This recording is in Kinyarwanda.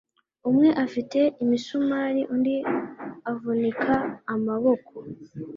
Umwe afite imisumari undi avunika amaboko